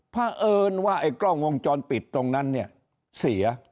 เพราะเอิญว่าไอ้กล้องวงจรปิดตรงนั้นเนี่ยเสีย